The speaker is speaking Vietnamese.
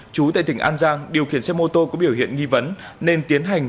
chú tại tỉnh an giang điều khiển xe mô tô có biểu hiện nghi vấn nên tiến hành